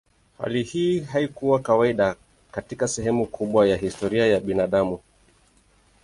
Hali hii haikuwa kawaida katika sehemu kubwa ya historia ya binadamu.